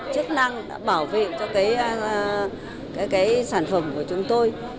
chức năng đã bảo vệ cho sản phẩm của chúng tôi